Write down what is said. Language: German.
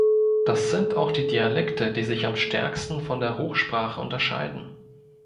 Das sind auch die Dialekte, die sich am stärksten von der Hochsprache unterscheiden.